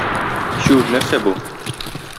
Чү, нәрсә бу?